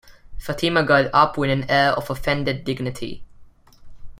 Fatima got up with an air of offended dignity.